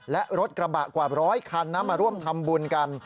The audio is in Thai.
และรถกระบะกว่าร้อยคันมาร่วมทำบุญกัน